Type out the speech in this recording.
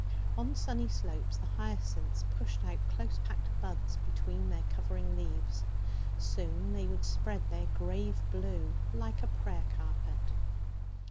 On sunny slopes the hyacinths pushed out close packed buds between their covering leaves; soon they would spread their grave blue like a prayer carpet.